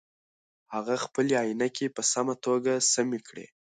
هغه خپلې عینکې په سمه توګه سمې کړې.